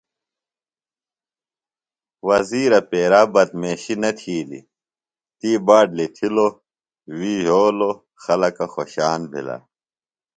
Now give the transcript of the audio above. وزیرہ پیرا بدمیشی نہ تِھیلیۡ، تی باٹ لِتھِلو، وی یھولوۡ۔ خلکہ خوۡشان بِھلہ۔